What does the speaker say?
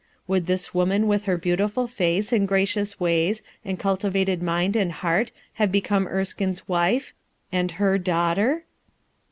Would this woman with her beautiful face and gracious ways and cultivated mind and heart have become Ersldne's wife and her daughter?